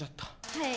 はい。